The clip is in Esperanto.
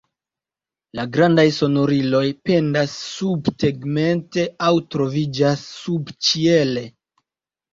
La grandaj sonoriloj pendas subtegmente aŭ troviĝas subĉiele.